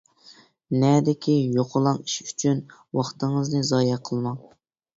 نەدىكى يوقىلاڭ ئىش ئۈچۈن ۋاقتىڭىزنى زايە قىلماڭ!